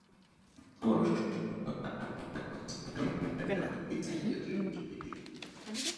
Hamarosan várható a meghosszabbítása a német északi-tengeri kikötőkig.